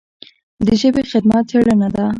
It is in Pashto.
د ژبې خدمت څېړنه ده.